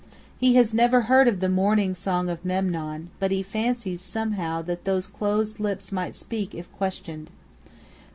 He has never heard of the morning song of Memnon; but he fancies, somehow, that those closed lips might speak if questioned.